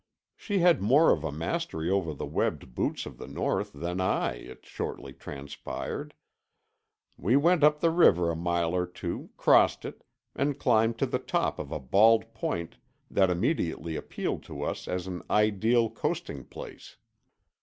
She had more of a mastery over the webbed boots of the North than I, it shortly transpired. We went up the river a mile or two, crossed it, and climbed to the top of a bald point that immediately appealed to us as an ideal coasting place.